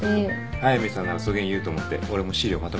速見さんならそげん言うと思って俺も資料まとめてきた。